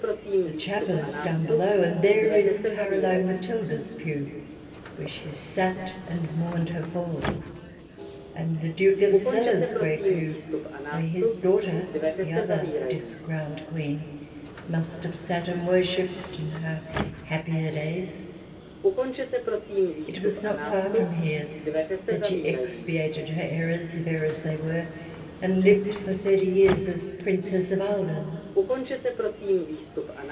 The chapel is down below, and there is Caroline Matilda's pew where she sat and mourned her fall ; and the Duke of Celle's great pew where his daughter, the other discrowned Queen, must have sat and worshipped in her happier days. It was not far from here that she expiated her errors, if errors they were, and lived for thirty years as Princess of Ahlden.